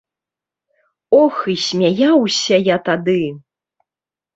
Ох, і смяяўся я тады!